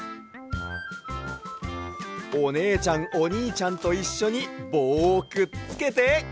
おねえちゃんおにいちゃんといっしょにぼうをくっつけて。